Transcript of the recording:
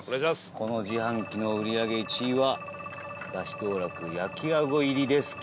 この自販機の売り上げ１位はだし道楽、焼きあご入りですか？